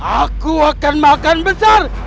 aku akan makan besar